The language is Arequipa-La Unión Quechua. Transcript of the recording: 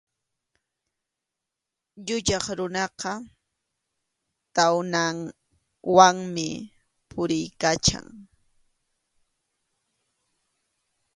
Yuyaq runaqa tawnawanmi puriykachan.